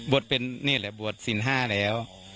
บวชเป็นนี่แหละบวชสินห้าแล้ว